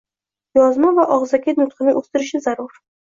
yozma va og‘zaki nutqini o‘stirishi zarur.